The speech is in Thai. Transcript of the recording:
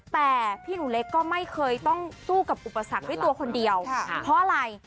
แต่พี่หนูเล็กก็ไม่เคยต้องสู้กับอุปสรรคด้วยตัวคนเดียวเพราะอะไร